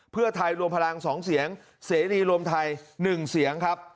เพื่อไทยรวมพลัง๒เสียงเสรีรวมไทย๑เสียงครับ